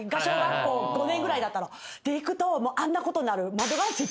で行くとあんなことになる。